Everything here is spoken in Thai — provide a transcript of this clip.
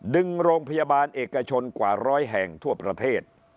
โรงพยาบาลเอกชนกว่าร้อยแห่งทั่วประเทศ